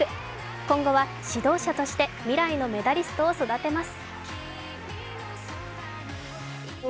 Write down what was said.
今後は指導者として未来のメダリストを育てます。